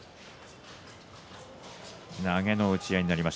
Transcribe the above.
投げの打ち合いになりました。